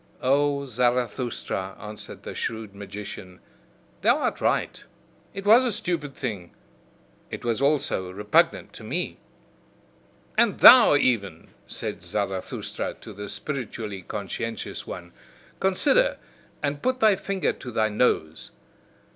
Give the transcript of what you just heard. "O Zarathustra," answered the shrewd magician, "thou art right, it was a stupid thing, it was also repugnant to me." "And thou even," said Zarathustra to the spiritually conscientious one, "consider, and put thy finger to thy nose!